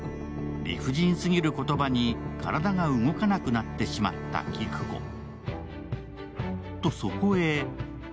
理不尽すぎる言葉に体が動かなくなってしまった紀久子。